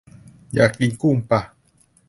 อยากกินกุ้งปะ